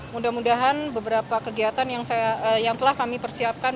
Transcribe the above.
mudah mudahan beberapa kegiatan yang telah kami persiapkan